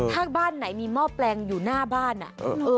ถ้าบ้านไหนมีหม้อแปลงอยู่หน้าบ้านอ่ะ